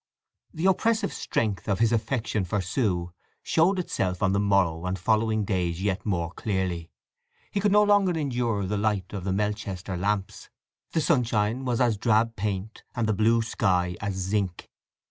The oppressive strength of his affection for Sue showed itself on the morrow and following days yet more clearly. He could no longer endure the light of the Melchester lamps; the sunshine was as drab paint, and the blue sky as zinc.